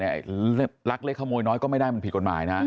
รักเล็กขโมยน้อยก็ไม่ได้มันผิดกฎหมายนะ